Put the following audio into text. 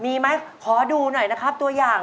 มีไหมขอดูหน่อยนะครับตัวอย่าง